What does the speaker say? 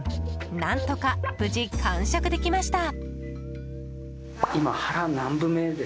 何とか無事完食できました。